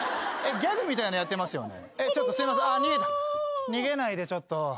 ギャグみたいのやってますよね？